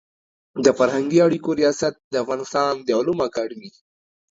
د فرهنګي اړیکو ریاست د افغانستان د علومو اکاډمي